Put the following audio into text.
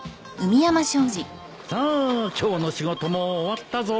さあ今日の仕事も終わったぞ。